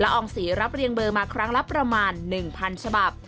อองศรีรับเรียงเบอร์มาครั้งละประมาณ๑๐๐๐ฉบับ